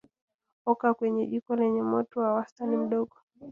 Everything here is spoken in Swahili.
Oka kwenye jiko lenye moto wa wastani mdogo